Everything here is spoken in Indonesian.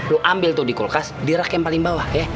lu ambil tuh di kulkas di rak yang paling bawah ya